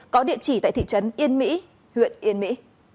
có địa chỉ tại thị trấn yên mỹ huyện yên mỹ